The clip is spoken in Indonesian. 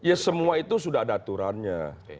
ya semua itu sudah ada aturannya